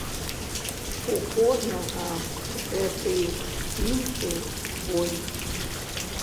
У кожнага гэты іншы свой.